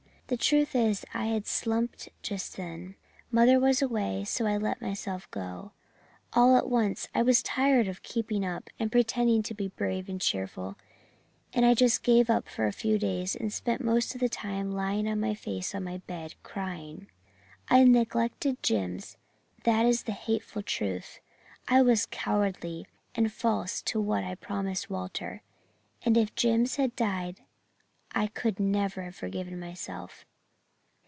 The truth is I had slumped just then. Mother was away, so I let myself go. All at once I was tired of keeping up and pretending to be brave and cheerful, and I just gave up for a few days and spent most of the time lying on my face on my bed, crying. I neglected Jims that is the hateful truth I was cowardly and false to what I promised Walter and if Jims had died I could never have forgiven myself.